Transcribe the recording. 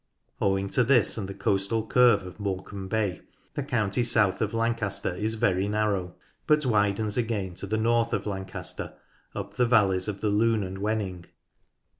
Owing to this and to the coastal curve of Morecambe Bay, the county south of Lancaster is very narrow, but widens again to the north of Lancaster, up the valleys of the Lune and Wenning.